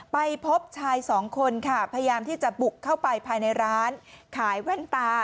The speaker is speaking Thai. ไปพบชายสองคนค่ะพยายามที่จะบุกเข้าไปภายในร้านขายแว่นตา